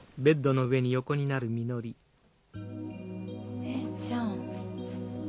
お姉ちゃん。